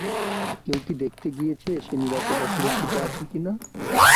কেউ কি দেখতে গিয়েছে সে নিরাপদ আর সুরক্ষিত আছে কিনা?